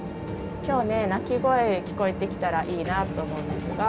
今日ね鳴き声聞こえてきたらいいなと思うんですが。